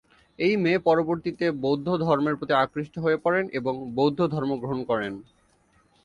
এই মেয়ে পরবর্তীতে বৌদ্ধ ধর্মের প্রতি আকৃষ্ট হয়ে পড়েন এবং বৌদ্ধ ধর্ম গ্রহণ করেন।